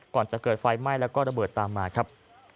ก่อนจะเกิดไฟไหม้แล้วก็ระเบิดตามมาครับ